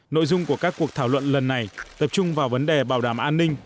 nội dung của các cuộc thảo luận lần này tập trung vào vấn đề bảo đảm an ninh